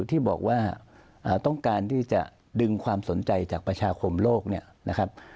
ที่บอกว่าต้องการที่จะดึงความสนใจจากประชาคมโลกเนี่ยนะครับ